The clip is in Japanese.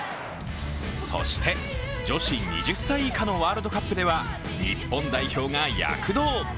そして女子２０歳以下のワールドカップでは日本代表が躍動。